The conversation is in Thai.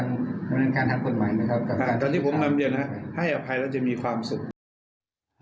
บรรยาการทั้งคนใหม่นะครับตอนที่ผมนำเดียวนะครับ